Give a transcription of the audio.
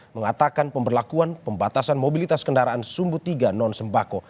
mengatakan pemberlakuan pembatasan mobilitas kendaraan sumbu tiga non sembako